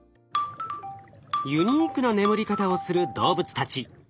ユニークな眠り方をする動物たち。